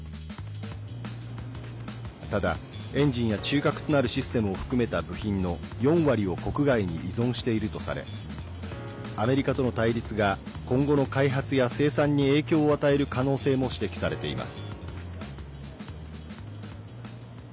ただ、エンジンや中核となるシステムを含めた部品の４割を国外に依存しているとされアメリカとの対立が今後の開発や生産に影響を与える可能性も指摘されています。